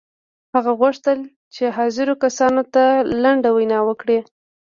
هغه غوښتل چې حاضرو کسانو ته لنډه وینا وکړي